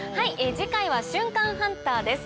次回は瞬間ハンターです。